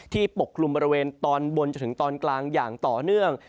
ปกคลุมบริเวณตอนบนจนถึงตอนกลางอย่างต่อเนื่อง